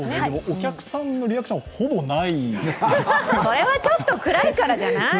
お客さんのリアクション、ほぼないそれはちょっと暗いからじゃない？